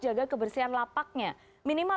jaga kebersihan lapaknya minimal